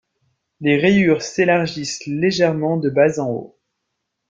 Les rayures s’élargissent légèrement de bas en haut.